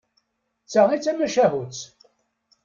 D ta i d tamacahut.